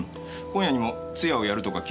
今夜にも通夜をやるとか聞いたけど。